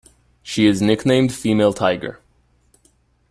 She is nicknamed "Female Tiger".